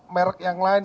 merk yang lain